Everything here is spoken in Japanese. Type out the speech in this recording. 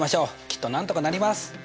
きっとなんとかなります。